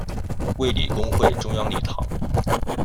卫理公会中央礼堂。